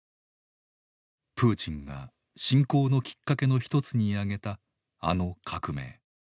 プーチンが侵攻のきっかけの一つに挙げたあの革命。